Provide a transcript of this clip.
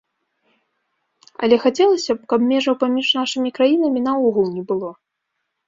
Але хацелася б, каб межаў паміж нашымі краінамі наогул не было.